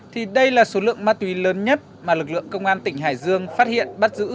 thì đây là số lượng ma túy lớn nhất mà lực lượng công an tỉnh hải dương phát hiện bắt giữ